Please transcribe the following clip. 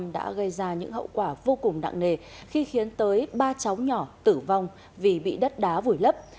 đã gây ra những hậu quả vô cùng nặng nề khi khiến tới ba cháu nhỏ tử vong vì bị đất đá vùi lấp